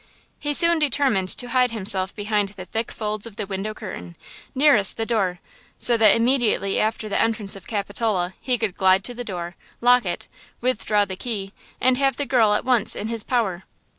He soon determined to hide himself behind the thick folds of the window curtain, nearest the door, so that immediately after the entrance of Capitola he could glide to the door, lock it, withdraw the key and have the girl at once in his power.